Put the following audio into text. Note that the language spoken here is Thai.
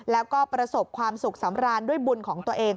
แล้วก็ประสบความสุขสำราญด้วยบุญของตัวเอง